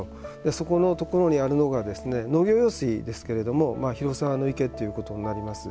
そこのところにあるのが農業用水ですけれども広沢池ということになります。